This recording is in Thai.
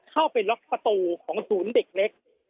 เข้าไปล็อกประตูของศูนย์เด็กเล็ก